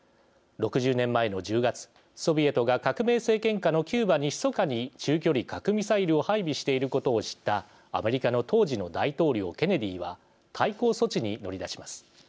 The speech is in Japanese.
６０年前の１０月、ソビエトが革命政権下のキューバにひそかに中距離核ミサイルを配備していることを知ったアメリカの当時の大統領ケネディは対抗措置に乗り出します。